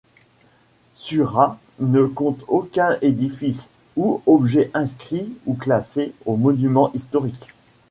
Surat ne compte aucun édifice ou objet inscrit ou classé aux monuments historiques.